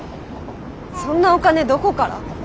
そんなお金どこから？